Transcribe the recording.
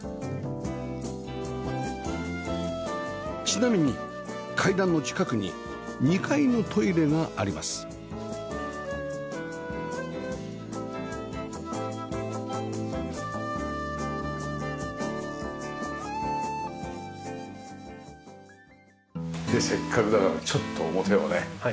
ちなみに階段の近くに２階のトイレがありますでせっかくだからちょっと表をね。